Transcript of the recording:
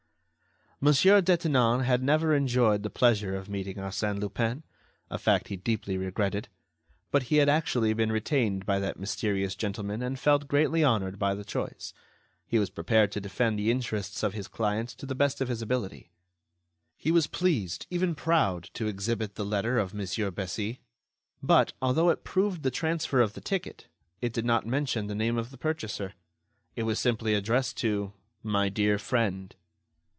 Mon. Detinan had never enjoyed the pleasure of meeting Arsène Lupin—a fact he deeply regretted—but he had actually been retained by that mysterious gentleman and felt greatly honored by the choice. He was prepared to defend the interests of his client to the best of his ability. He was pleased, even proud, to exhibit the letter of Mon. Bessy, but, although it proved the transfer of the ticket, it did not mention the name of the purchaser. It was simply addressed to "My Dear Friend."